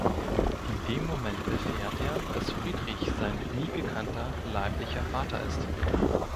In dem Moment erfährt er, dass Friedrich sein nie gekannter, leiblicher Vater ist.